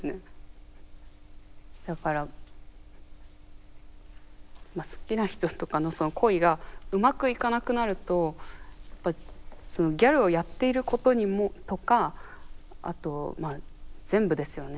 だから好きな人とかのその恋がうまくいかなくなるとそのギャルをやっていることとかあとまあ全部ですよね